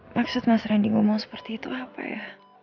maksud mas randy ngomong seperti itu apa ya